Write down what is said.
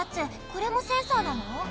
これもセンサーなの？